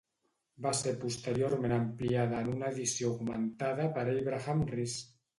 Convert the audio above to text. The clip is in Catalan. Va ser posteriorment ampliada en una edició augmentada per Abraham Rees.